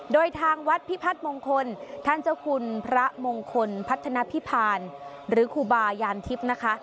โดยทางวัดพิพัฒน์มงคลท่านเจ้าคุณพระมงคลพัฒนภิพานหรือครูบายานทิพย์นะคะ